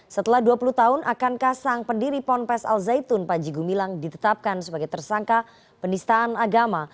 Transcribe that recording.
setelah dua puluh tahun akan kasang pendiri ponpes al zaitun panjigu milang ditetapkan sebagai tersangka penistaan agama